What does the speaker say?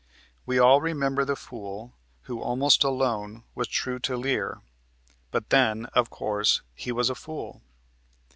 We all remember the fool who, almost alone, was true to Lear, but, then, of course, he was a fool.